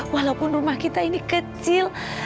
walaupun rumah kita ini kecil